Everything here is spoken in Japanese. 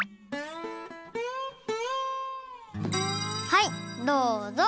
はいどうぞ！